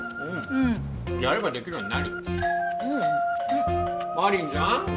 うんやればできるようになるよ真凛じゃん？